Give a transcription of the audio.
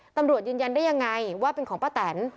ตำรวจยืนยันได้ยังไงว่าเป็นของป้าแตน